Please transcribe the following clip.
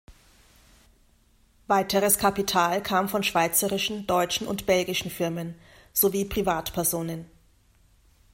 Weiteres Kapital kam von schweizerischen, deutschen und belgischen Firmen, sowie Privatpersonen.